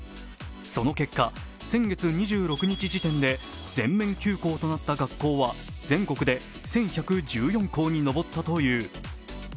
その結果、先月２６日時点で全面休校となった学校は全国で１１１４校にのぼったという。